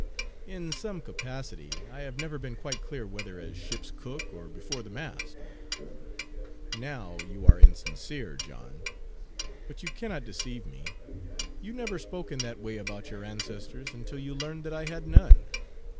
"In some capacity I have never been quite clear whether as ship's cook or before the mast." "Now you are insincere, John; but you cannot deceive me. You never spoke in that way about your ancestors until you learned that I had none.